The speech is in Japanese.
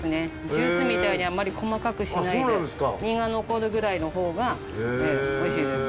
ジュースみたいにあんまり細かくしないで実が残るくらいのほうが美味しいです。